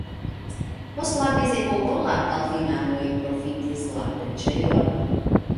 Post la mezepoko la kalvinanoj profitis la preĝejon.